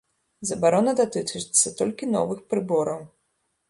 Забарона датычыцца толькі новых прыбораў.